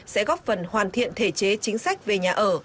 sẽ góp phần hoàn thiện thể chế chính sách về nhà ở